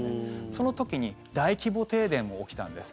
その時に大規模停電も起きたんです。